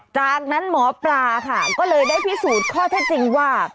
จากนั้นหมอปลาค่ะก็เลยได้พิสูจน์ข้อเท็จจริงว่า